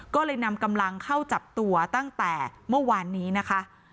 ก็เลยนำกำลังเข้าจับตัวตั้งแต่เมื่อวานนี้นะคะ